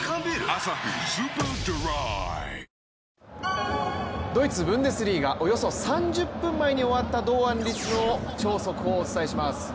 「アサヒスーパードライ」ドイツブンデスリーガおよそ３０分前に終わった堂安律の超速報をお伝えします。